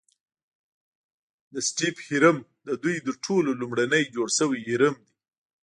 د سټیپ هرم ددوی تر ټولو لومړنی جوړ شوی هرم دی.